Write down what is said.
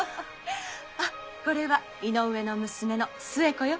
あこれは井上の娘の末子よ。